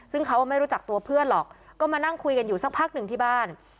ซึ่งเขาไม่รู้จักตัวเพื่อนหรอกก็มานั่งคุยกันอยู่สักพักหนึ่งที่บ้าน